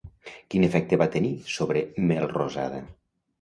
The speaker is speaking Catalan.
Quin efecte va tenir sobre Melrosada?